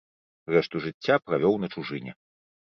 Рэшту жыцця правёў на чужыне.